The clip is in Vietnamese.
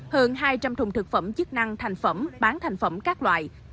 hơn hai trăm linh thùng thực phẩm chức năng thành phẩm bán thành phẩm các loại